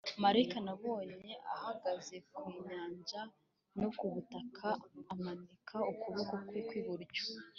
Marayika nabonye ahagaze ku nyanja no ku butaka amanika ukuboko kwe kw’iburyo,